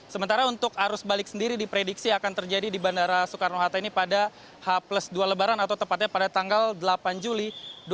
sementara untuk arus balik sendiri diprediksi akan terjadi di bandara soekarno hatta ini pada h dua lebaran atau tepatnya pada tanggal delapan juli dua ribu dua puluh